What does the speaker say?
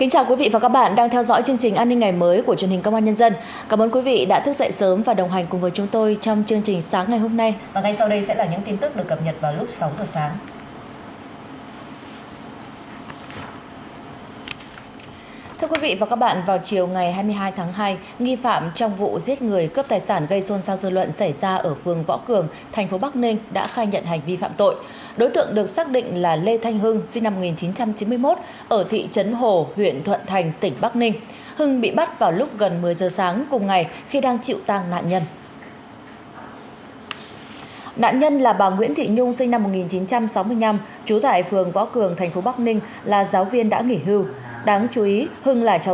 hãy đăng ký kênh để ủng hộ kênh của chúng mình nhé